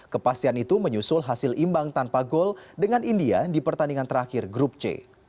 kepastian itu menyusul hasil imbang tanpa gol dengan india di pertandingan terakhir grup c